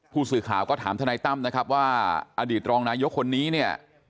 ผู้สื่อข่าวก็ถามทนายตั้มนะครับว่าอดีตรองนายกคนนี้เนี่ย